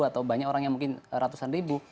atau banyak orang yang mungkin ratusan ribu